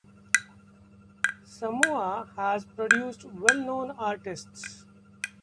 Samoa has produced well-known artists.